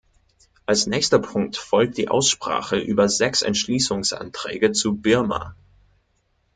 Als nächster Punkt folgt die Aussprache über sechs Entschließungsanträge zu Birma.